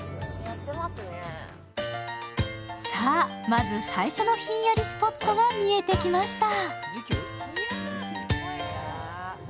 まず最初のひんやりスポットが見えてきました。